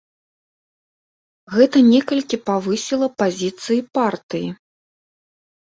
Гэта некалькі павысіла пазіцыі партыі.